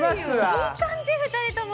いい感じ２人とも。